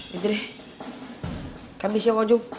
ya jadi kami siap wajum